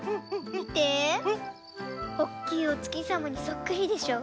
みておっきいおつきさまにそっくりでしょ？